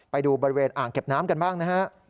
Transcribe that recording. ไปดูบริเวณอ่างเก็บน้ำกันบ้างนะฮะ